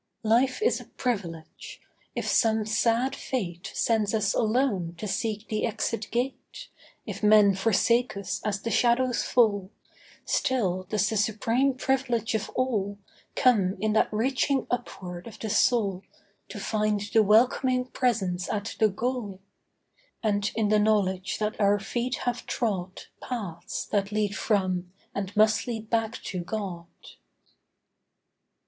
Life is a privilege. If some sad fate Sends us alone to seek the exit gate; If men forsake us as the shadows fall, Still does the supreme privilege of all Come in that reaching upward of the soul To find the welcoming presence at the goal, And in the knowledge that our feet have trod Paths that lead from and must lead back to God.